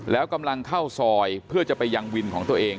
แล้วกำลังเข้าซอยเพื่อจะไปยังวินของตัวเอง